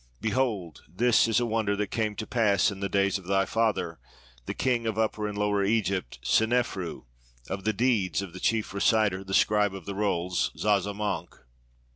Behold, this is a wonder that came to pass in the days of thy father, the King of Upper and Lower Egypt, Seneferu, of the deeds of the chief reciter, the scribe of the rolls, Zazamankh."